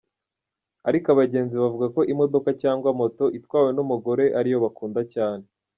Ariko abagenzi bavuga ko imodoka cyangwa moto itwawe n’umugore ari yo bakunda cyane.